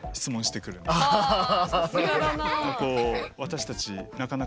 さすがだなあ。